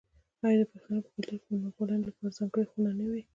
آیا د پښتنو په کلتور کې د میلمه پالنې لپاره ځانګړې خونه نه وي؟